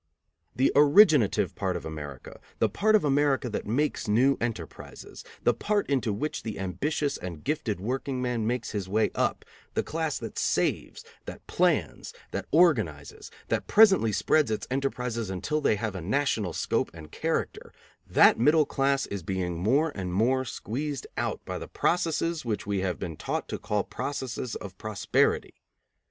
The originative part of America, the part of America that makes new enterprises, the part into which the ambitious and gifted workingman makes his way up, the class that saves, that plans, that organizes, that presently spreads its enterprises until they have a national scope and character, that middle class is being more and more squeezed out by the processes which we have been taught to call processes of prosperity.